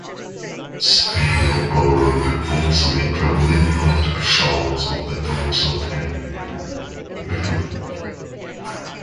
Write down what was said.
Spielberg also included multiple shots of just the dorsal fin.